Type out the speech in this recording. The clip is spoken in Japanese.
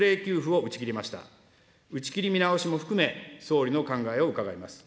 打ち切り見直しも含め、総理の考えを伺います。